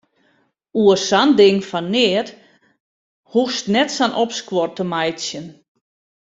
Oer sa'n ding fan neat hoechst net sa'n opskuor te meitsjen.